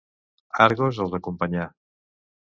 Argos els acompanyà.